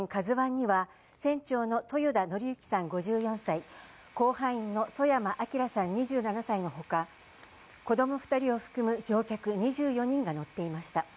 ＫＡＺＵ１には、船長の豊田徳幸さん５４歳、甲板員の曽山聖さん２７歳のほか、子ども２人を含む乗客２４人が乗っていました。